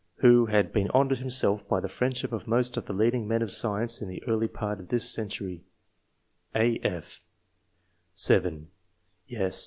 who had been honoured himself by the friendship of most of the leading men of science in the early part of this century/' (a,/) (7) [Yes.